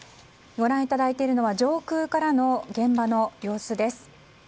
ご覧いただいているのは上空からの現場の様子です。